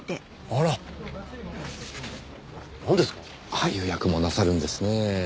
ああいう役もなさるんですねぇ。